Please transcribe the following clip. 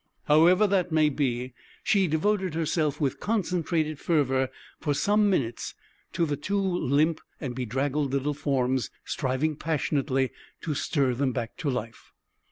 However that may be, she devoted herself with concentrated fervor for some minutes to the two limp and bedraggled little forms striving passionately to stir them back to life.